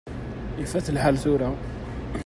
Ifat lḥal tura.